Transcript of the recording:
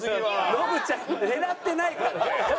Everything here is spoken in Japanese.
信ちゃん狙ってないから！